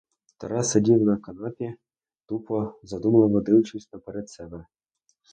Тарас сидів на канапі, тупо, задумливо дивлячись наперед себе.